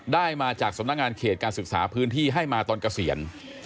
ได้มาจากสำนักงานเขตการศึกษาพื้นที่ให้มาตอนเกษียณ